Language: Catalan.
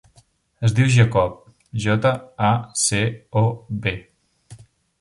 Es diu Jacob: jota, a, ce, o, be.